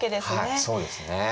はいそうですね。